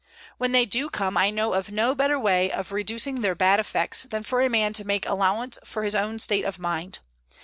When they do come, I know of no better way of reducing their bad effects than for a man to make allowance for his own state of mind.